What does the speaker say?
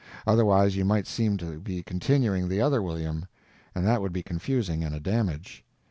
Otherwise you might seem to be continuing the other William, and that would be confusing and a damage.